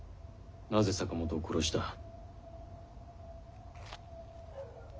なぜ坂本を殺した？